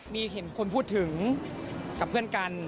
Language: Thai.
มีเห็นคนพูดถึงกับเพื่อนกัน